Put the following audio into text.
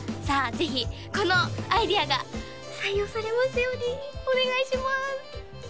ぜひこのアイデアが採用されますようにお願いします